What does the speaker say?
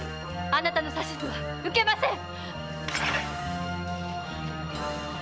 あなたの指図は受けません！